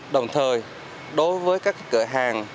đồng thời đối với các cửa hàng